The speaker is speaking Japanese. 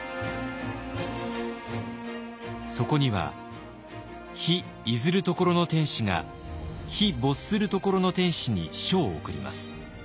そこには「日出ずる処の天子が日没する処の天子に書を送ります。